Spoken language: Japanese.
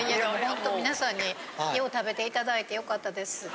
ホント皆さんによう食べていただいてよかったです。